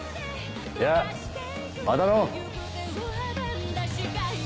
じゃあまたのう！